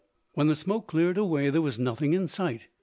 When the smoke cleared away there was nothing in sight.